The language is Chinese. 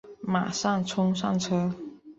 马上冲上车